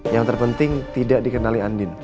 yang terpenting tidak dikenali andin